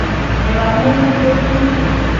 Lamumudesi.